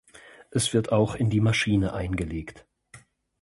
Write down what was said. Es wird auch in die Maschine eingelegt.